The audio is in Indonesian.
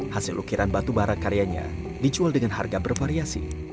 hasil ukiran batubara karyanya dicual dengan harga bervariasi